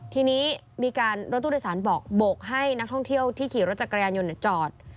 ทีนี้มีการบอกให้นักท่องเที่ยวขี่รถจากกระยานยนต์จะจอด